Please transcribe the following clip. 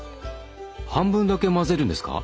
半分だけ混ぜるんですか？